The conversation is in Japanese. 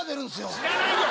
知らないよ。